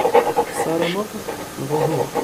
Tessarameḍ, neɣ uhu?